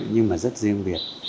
nhưng mà rất riêng biệt